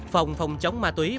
phòng phòng chống ma túy